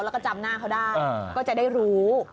แล้วก็จำหน้าเขาได้ก็จะได้รู้